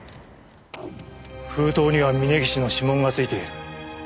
封筒には峰岸の指紋がついている。